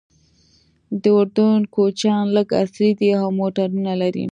د اردن کوچیان لږ عصري دي او موټرونه لري.